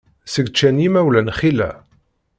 Seg ččan yimawlan xilla.